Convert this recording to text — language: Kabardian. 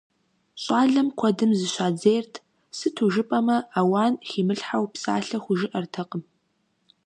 ЩӀалэм куэдым зыщадзейрт, сыту жыпӀэмэ ауан химылъхьэу псалъэ хужыӀэртэкъым.